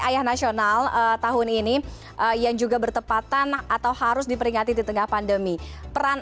ayah nasional tahun ini yang juga bertepatan atau harus diperingati di tengah pandemi peran